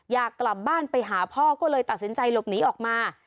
อยากกลับบ้านไปหาพ่อก็เลยตัดสินใจหลบหนีออกมา